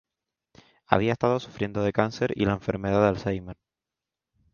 Había estado sufriendo de cáncer y la enfermedad de Alzheimer.